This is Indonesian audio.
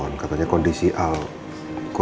aku tak mau